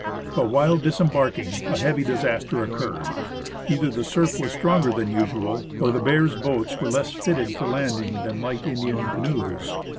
But while disembarking, a heavy disaster occurred. Either the surf was stronger than usual, or the Bears boats were less fitted for landing than light Indian canoes.